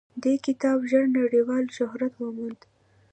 دې کتاب ژر نړیوال شهرت وموند.